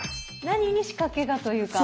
何に仕掛けがというか。